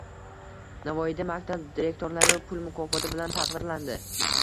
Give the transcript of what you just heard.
Navoiyda maktab direktorlari pul mukofoti bilan taqdirlandi